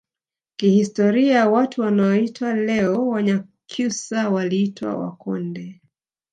Kihistoria watu wanaoitwa leo Wanyakyusa waliitwa Wakonde